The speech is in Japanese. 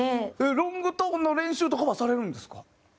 ロングトーンの練習とかはされるんですか？